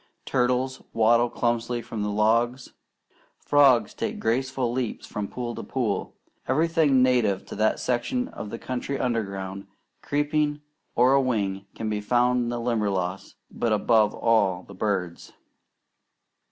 Turtles waddle clumsily from the logs. Frogs take graceful leaps from pool to pool. Everything native to that section of the country underground, creeping, or a wing can be found in the Limberlost; but above all the birds.